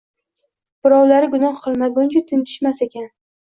Birovlari gunoh qilmaguncha tinchishmas ekan